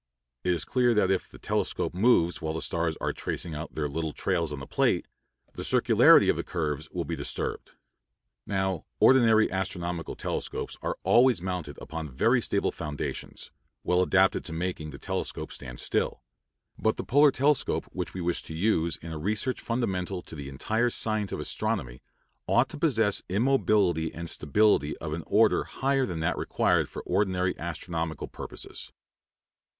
It is clear that if the telescope moves while the stars are tracing out their little trails on the plate, the circularity of the curves will be disturbed. Now, ordinary astronomical telescopes are always mounted upon very stable foundations, well adapted to making the telescope stand still; but the polar telescope which we wish to use in a research fundamental to the entire science of astronomy ought to possess immobility and stability of an order higher than that required for ordinary astronomical purposes.